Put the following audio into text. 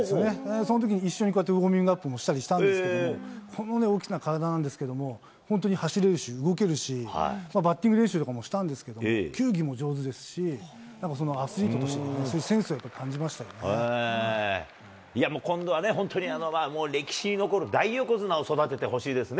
そのときに一緒にこうやってウォーミングアップしたんですけど、この大きな体なんですけども、本当に走れるし、動けるし、バッティング練習とかもしたんですけど、球技も上手ですし、アスリートとしていやもう、今度はね、本当歴史に残るような大横綱を育ててほしいですね。